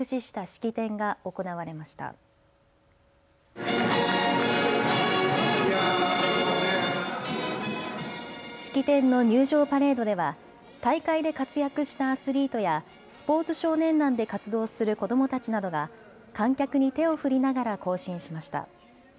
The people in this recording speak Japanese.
式典の入場パレードでは大会で活躍したアスリートやスポーツ少年団で活動する子どもたちなどが観客に手を降りながら更新しました。